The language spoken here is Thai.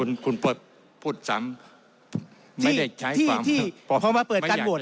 มคภรภิกษ์ที่พอมาเปิดการโบรต